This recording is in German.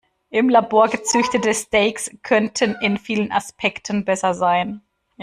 Im Labor gezüchtete Steaks könnten in vielen Aspekten besser sein.